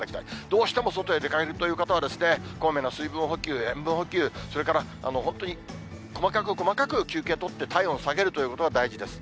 どうしても外に出かけるという方は、こまめな水分補給、塩分補給、それから本当に細かく細かく休憩とって、体温下げるということが大事です。